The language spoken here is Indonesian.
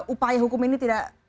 upaya hukum ini tidak